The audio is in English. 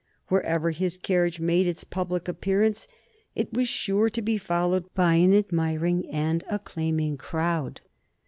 Wherever his carriage made its public appearance it was sure to be followed by an admiring and acclaiming crowd.